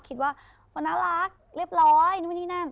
คิดว่าคนน่ารักเรียบร้อยนู่นนี่นั่น